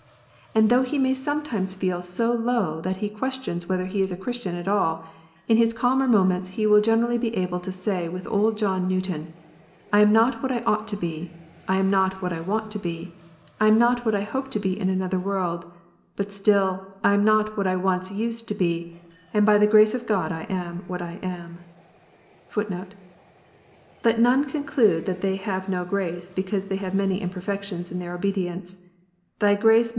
And though he may sometimes feel so low that he questions whether he is a Christian at all, in his calmer moments he will generally be able to say with old John Newton, " I am not what I ought to be ; I am not what I wantj to be ; I am not what I hope to be in another world ; but still] I am not what I once used to be, and by the grace of God I am) what I am." * (4) Fourthly, St. John says, " We know that we have passed from death unto life, because we love the brethren."